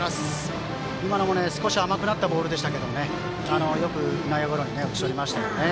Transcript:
今のも少し甘くなったボールでしたがよく内野ゴロに打ち取りました。